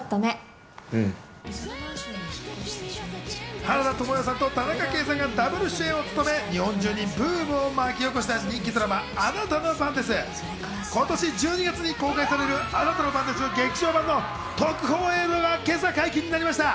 原田知世さんと田中圭さんがダブル主演を務め、日本中にブームを巻き起こした人気ドラマ、今年１２月に公開される『あなたの番です劇場版』の特報映像が今朝解禁になりました。